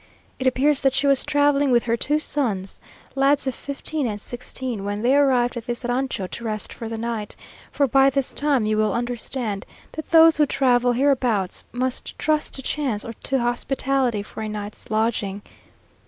It appears that she was travelling with her two sons, lads of fifteen and sixteen, when they arrived at this rancho to rest for the night; for by this time you will understand that those who travel hereabouts must trust to chance or to hospitality for a night's lodging.